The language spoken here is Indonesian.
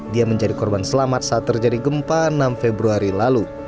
dia menjadi korban selamat saat terjadi gempa enam februari lalu